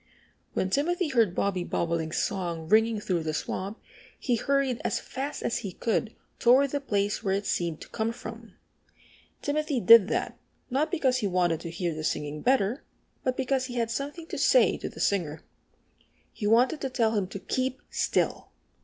When Timothy heard Bobby Bobolink's song ringing through the swamp he hurried as fast as he could toward the place where it seemed to come from. Timothy did that, not because he wanted to hear the singing better, but because he had something to say to the singer. He wanted to tell him to keep still.